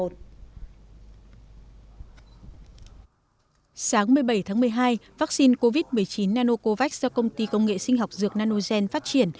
sáng một mươi bảy tháng một mươi hai vaccine covid một mươi chín nanocovax do công ty công nghệ sinh học dược nanogen phát triển